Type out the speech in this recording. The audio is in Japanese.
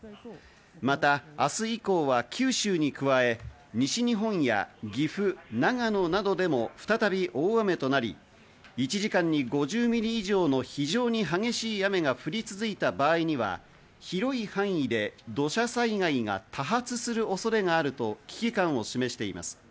また明日以降は九州に加え、西日本や岐阜、長野などでも再び大雨となり、１時間に５０ミリ以上の非常に激しい雨が降り続いた場合には、広い範囲で土砂災害が多発する恐れがあると危機感を示しています。